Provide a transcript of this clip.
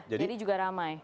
jadi juga ramai